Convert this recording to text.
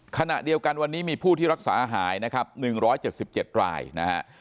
ขณะเดียวกันวันนี้มีผู้ที่รักษาหายนะครับ๑๗๗รายนะฮะ